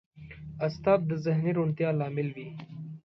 استاد د ذهني روڼتیا لامل وي.